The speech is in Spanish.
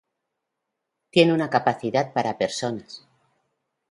Tiene una capacidad para personas.